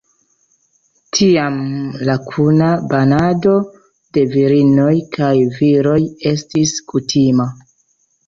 Tiam la kuna banado de virinoj kaj viroj estis kutima.